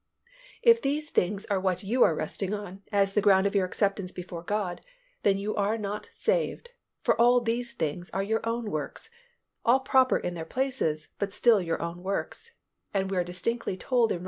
If these things are what you are resting upon as the ground of your acceptance before God, then you are not saved, for all these things are your own works (all proper in their places but still your own works) and we are distinctly told in Rom.